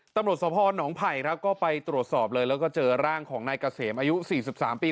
ตำรวจสภหนองไผ่ครับก็ไปตรวจสอบเลยแล้วก็เจอร่างของนายเกษมอายุ๔๓ปี